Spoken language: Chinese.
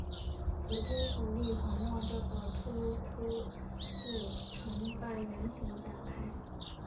普军主力环绕这个突出部成半圆形展开。